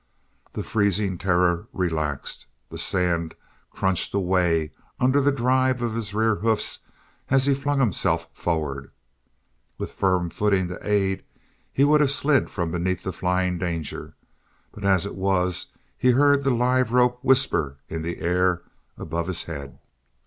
The freezing terror relaxed; the sand crunched away under the drive of his rear hoofs as he flung himself forward with firm footing to aid he would have slid from beneath the flying danger, but as it was he heard the live rope whisper in the air above his head.